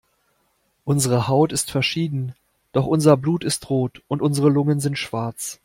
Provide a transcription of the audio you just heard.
Unsere Haut ist verschieden, doch unser Blut ist rot und unsere Lungen sind schwarz.